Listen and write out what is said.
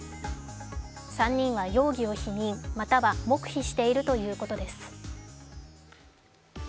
３人は容疑を否認、または黙秘しているということです。